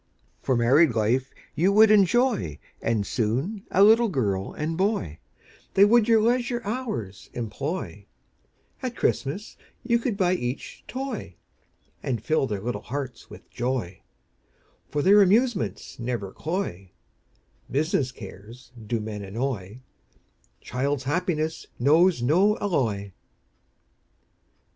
For married life you would enjoy, And soon a little girl and boy, They would your leisure hours employ, At Christmas you could buy each toy, And fill their little hearts with joy, For their amusements never cloy, Business cares do men annoy, Child's happiness knows no alloy.